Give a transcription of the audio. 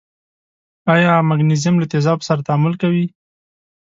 آیا مګنیزیم له تیزابو سره تعامل کوي؟